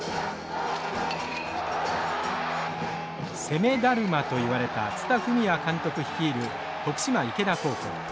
攻めだるまといわれた蔦文也監督率いる徳島池田高校。